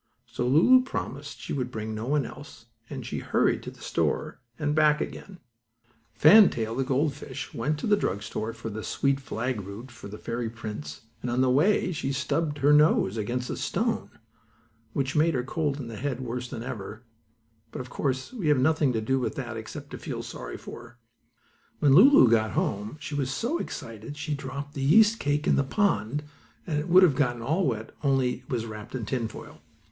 So Lulu promised she would bring no one else, and she hurried to the store and back again. Fan Tail, the gold fish, went to the drug store for the sweet flag root for the fairy prince, and on the way she stubbed her nose against a stone, which made her cold in the head worse than ever; but of course we have nothing to do with that except to feel sorry for her. When Lulu got home she was so excited she dropped the yeast cake in the pond, and it would have gotten all wet only it was wrapped in tin foil.